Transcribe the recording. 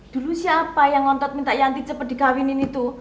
dulu siapa yang ngontot minta yanti cepet dikawinin itu